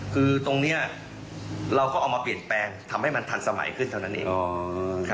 คือตรงนี้เราก็เอามาเปลี่ยนแปลงทำให้มันทันสมัยขึ้นเท่านั้นเอง